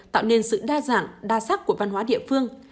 tạo nên sự đa dạng đa sắc của văn hóa địa phương